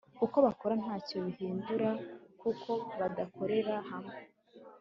uko bakora ntacyo bihindura kuko badakorera hamwe